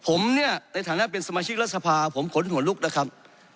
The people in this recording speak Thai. ผมเนี่ยในฐานะเป็นสมาชิกรัฐสภาผมขนหัวลุกนะครับ